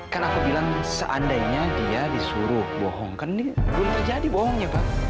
kan aku bilang seandainya dia disuruh bohong kan ini belum terjadi bohongnya pak